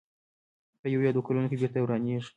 په یوه یا دوو کلونو کې بېرته ورانېږي.